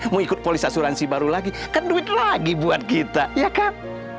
mau ikut polis asuransi baru lagi kan duit lagi buat kita ya kan